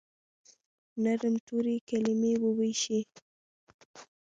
نرم توري، کلیمې وویشي